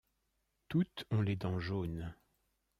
Toutes ont les dents jaunes.